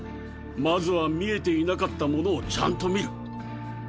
まずは見えていなかったものをちゃんと見る。